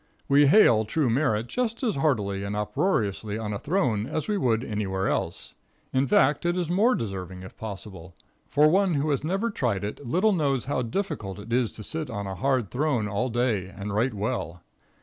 We hail true merit just as heartily and uproariously on a throne as we would anywhere else. In fact, it is more deserving, if possible, for one who has never tried it little knows how difficult it is to sit on a hard throne all day and write well.